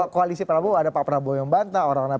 koalisi prabowo ada pak prabowo yang bantah orang orang